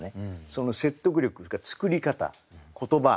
その説得力それから作り方言葉。